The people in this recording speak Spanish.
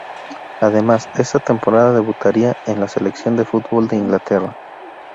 Además, esa temporada debutaría en la selección de fútbol de Inglaterra.